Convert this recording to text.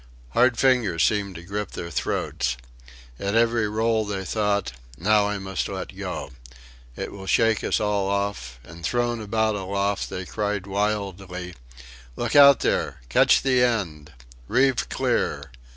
Hard fingers seemed to grip their throats. At every roll they thought: Now I must let go. It will shake us all off and thrown about aloft they cried wildly: "Look out there catch the end."... "Reeve clear"...